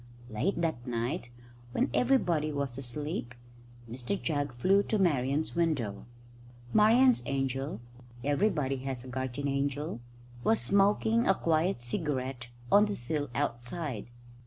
Late that night, when everybody was asleep, Mr Jugg flew to Marian's window. Marian's angel everybody has a guardian angel was smoking a quiet cigarette on the sill outside.